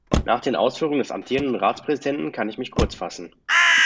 Nach den Ausführungen des amtierenden Ratspräsidenten kann ich mich kurz fassen.